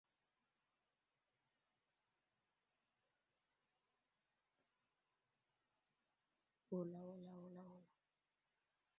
El segundo polluelo normalmente es descuidado y por lo general muere durante su infancia.